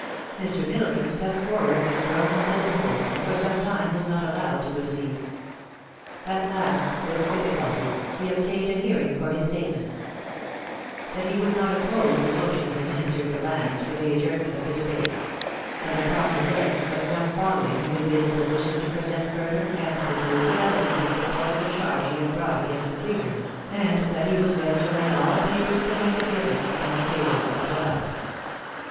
Mr. Middleton stepped forward mid groans and hisses, and for some time was not allowed to proceed. At last, with difficulty, he obtained a hearing for his statement That he would not oppose the motion of the Minister for Lands for the adjournment of the debate ; that upon the day but one following he would be in a position to present further and conclusive evidence in support of the charge he had brought against the Premier, and that he was ready to lay all papers connected with it upon the table of the House.